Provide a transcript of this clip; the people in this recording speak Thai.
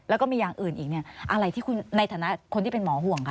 แล้วก็มีอย่างอื่นอีกเนี่ยอะไรที่คุณในฐานะคนที่เป็นหมอห่วงค่ะ